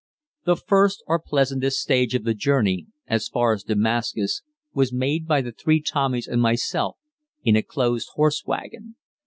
The first or pleasantest stage of the journey, as far as Damascus, was made by the three Tommies and myself in a closed horse wagon.